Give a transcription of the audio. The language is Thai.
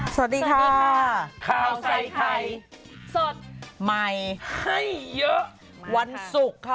สวัสดีค่ะข้าวใส่ไข่สดใหม่ให้เยอะวันศุกร์ค่ะ